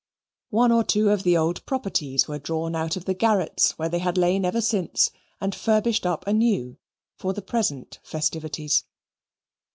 One or two of the old properties were drawn out of the garrets, where they had lain ever since, and furbished up anew for the present festivities.